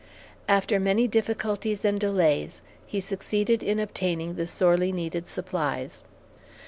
After many difficulties and delays, he succeeded in obtaining the sorely needed supplies.